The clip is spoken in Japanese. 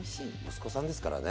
息子さんですからね。